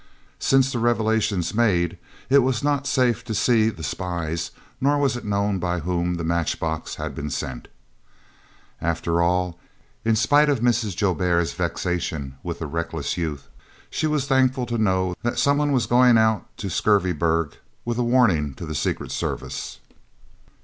Since the revelations made, it was not safe to see the spies, nor was it known by whom the match box had been sent. After all, in spite of Mrs. Joubert's vexation with the reckless youth, she was thankful to know that some one was going out to Skurveberg with a warning to the Secret Service.